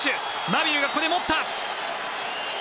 マビルがここで持った！